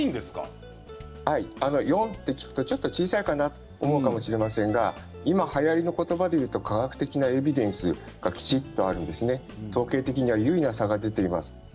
４ポイントと聞くと小さいかと思うかもしれませんが今はやりのことばでいえば科学的なエビデンスがきちっと統計的に優位の差が出ています。